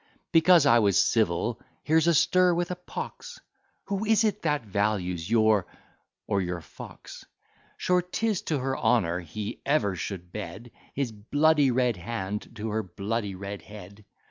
Because I was civil, here's a stir with a pox: Who is it that values your or your fox? Sure 'tis to her honour, he ever should bed His bloody red hand to her bloody red head.